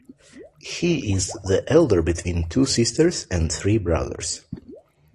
He is the elder between two sisters and three brothers.